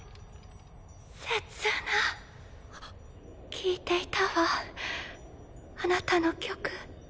聞いていたわあなたの曲。